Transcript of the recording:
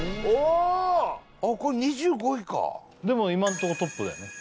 ああこれ２５位かでも今んとこトップだよね